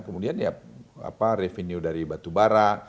kemudian ya revenue dari batubara